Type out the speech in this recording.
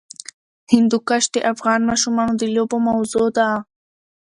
هندوکش د افغان ماشومانو د لوبو موضوع ده.